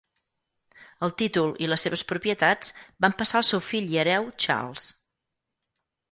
El títol i les seves propietats van passar al seu fill i hereu Charles.